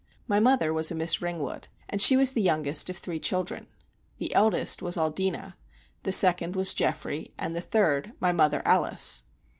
My mother was a Miss Ringwood, and she was the youngest of three children: the eldest was Aldina, the second was Geoffrey, and the third (my mother) Alice.